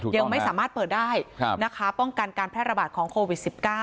ยังไม่สามารถเปิดได้นะคะป้องกันการแพร่ระบาดของโควิด๑๙